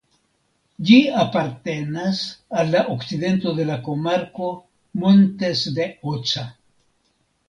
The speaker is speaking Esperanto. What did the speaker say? Ĝi apartenas al la okcidento de la komarko "Montes de Oca".